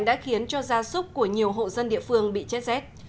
đã khiến cho gia súc của nhiều hộ dân địa phương bị chết rét